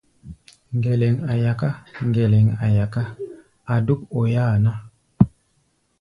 Ŋgɛlɛŋ a̧ yaká, ŋgɛlɛŋ a̧ yaká, a̧ dúk oi-áa ná.